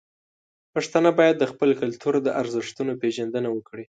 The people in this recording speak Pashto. پښتانه باید د خپل کلتور د ارزښتونو پیژندنه وکړي.